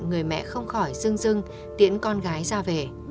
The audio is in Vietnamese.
người mẹ không khỏi rưng rưng tiễn con gái ra về